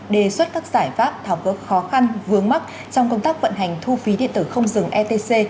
đề xuất các giải pháp thảo cước khó khăn vướng mắc trong công tác vận hành thu phí điện tử không dừng etc